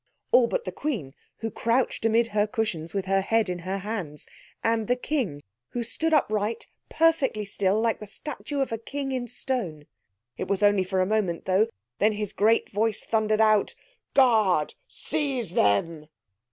All but the Queen who crouched amid her cushions with her head in her hands, and the King, who stood upright, perfectly still, like the statue of a king in stone. It was only for a moment though. Then his great voice thundered out— "Guard, seize them!"